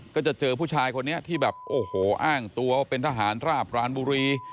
ก็จะเจอผู้ชายคนนี้ที่แบบโอ้โหอ้างตัวว่าเป็นทหารราบรานบุรี